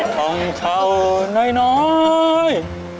ของข้าวน้อย